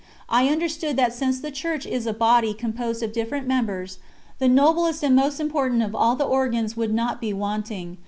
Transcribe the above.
I understood that since the Church is a body composed of different members, the noblest and most important of all the organs would not be wanting.